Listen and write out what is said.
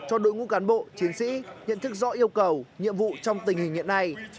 cho đội ngũ cán bộ chiến sĩ nhận thức rõ yêu cầu nhiệm vụ trong tình hình hiện nay